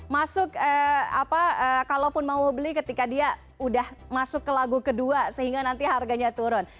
masuk apa kalaupun mau beli ketika dia udah masuk ke lagu kedua sehingga nanti harganya turun